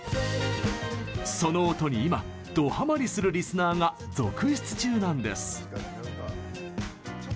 その音に今、ドハマりするリスナーが続出中なんです。